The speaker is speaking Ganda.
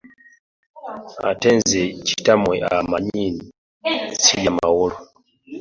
Ate nze kitammwe mummanyi ssirya mawolu.